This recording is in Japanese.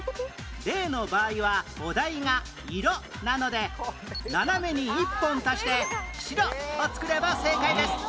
例の場合はお題が色なので斜めに１本足して白を作れば正解です